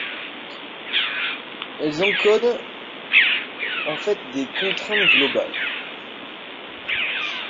elles encodent en fait des contraintes globales